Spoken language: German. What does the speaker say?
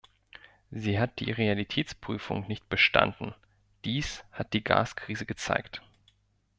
Sie hat die Realitätsprüfung nicht bestanden dies hat die Gaskrise gezeigt.